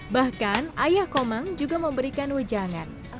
bahkan ayah komang juga memberikan wejangan